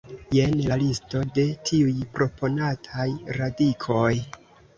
Jen la listo de tiuj proponataj radikoj.